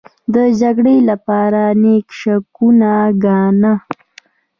د جګړې لپاره نېک شګون گاڼه.